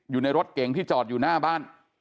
อยู่ในรถเก๋งที่จอดอยู่หน้าบ้าน